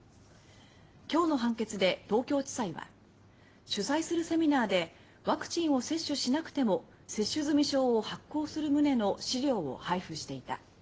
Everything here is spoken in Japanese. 今日の判決で東京地裁は「主催するセミナーでワクチンを接種しなくても接種済証を発行する旨の資料を配布していた」